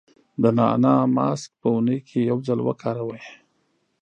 د نعناع ماسک په اونۍ کې یو ځل وکاروئ.